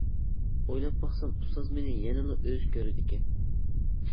ئويلاپ باقسام، ئۇستاز مېنى يەنىلا ئۆز كۆرىدىكەن.